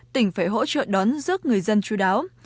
tỉnh phải hỗ trợ đón giúp người dân chú đáo